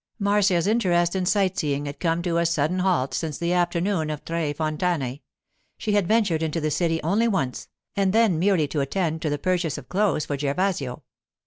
Marcia's interest in sight seeing had come to a sudden halt since the afternoon of Tre Fontane. She had ventured into the city only once, and then merely to attend to the purchase of clothes for Gervasio.